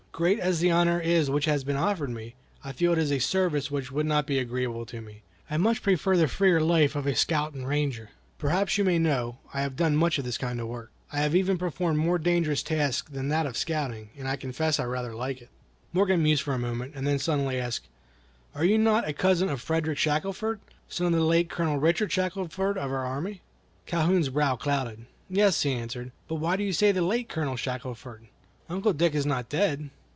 Great as the honor is which has been offered me, I feel it is a service which would not be agreeable to me. I much prefer the freer life of a scout and ranger. Perhaps you may know, I have done much of this kind of work. I have even performed more dangerous tasks than that of scouting, and I confess I rather like it." Morgan mused for a moment, and then suddenly asked: "Are you not a cousin of Frederic Shackelford, son of the late Colonel Richard Shackelford of our army?" Calhoun's brow clouded. "Yes," he answered; "but why do you say the late Colonel Shackelford? Uncle Dick is not dead."